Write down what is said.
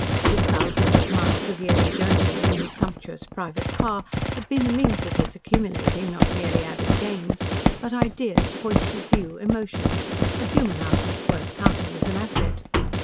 His thousands of miles of yearly journeying in his sumptuous private car had been the means of his accumulating not merely added gains, but ideas, points of view, emotions, a human outlook worth counting as an asset.